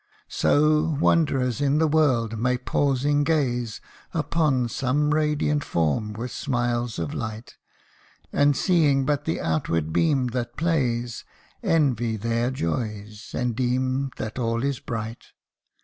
So, wanderers in the world may pausing gaze Upon some radiant form with smiles of light, And seeing but the outward beam that plays, Envy their joys and deem that all is bright.